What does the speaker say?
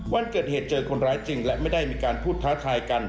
วันเกิดเหตุเจอคนร้ายจริงและไม่ได้มีการพูดท้าทายกัน